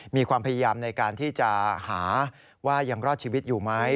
มีความพยายามในการที่จะหาว่ายังรอดชีวิตอยู่ไหม